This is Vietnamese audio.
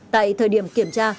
tại thời điểm kiểm tra